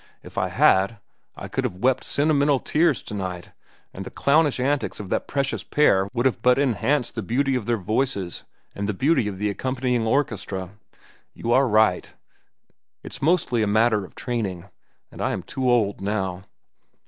If I had, I could have wept sentimental tears to night, and the clownish antics of that precious pair would have but enhanced the beauty of their voices and the beauty of the accompanying orchestra. You are right. It's mostly a matter of training. And I am too old, now.